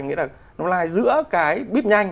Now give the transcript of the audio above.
nghĩa là nó lai giữa cái bíp nhanh